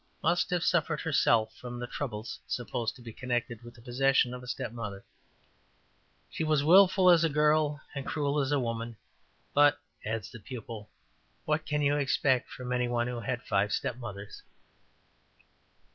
'' must have suffered herself from the troubles supposed to be connected with the possession of a stepmother: ``She was wilful as a girl and cruel as a woman, but'' (adds the pupil) ``what can you expect from any one who had had five stepmothers?''